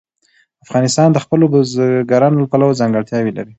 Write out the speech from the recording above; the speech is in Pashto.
افغانستان د خپلو بزګانو له پلوه ځانګړتیاوې لري.